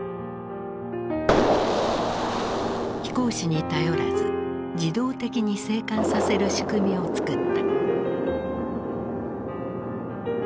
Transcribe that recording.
飛行士に頼らず自動的に生還させる仕組みを作った。